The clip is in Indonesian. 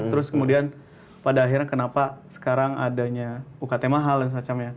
terus kemudian pada akhirnya kenapa sekarang adanya ukt mahal dan semacamnya